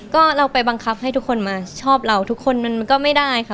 ก็เราไปบังคับให้ทุกคนมาชอบเราทุกคนมันก็ไม่ได้ค่ะ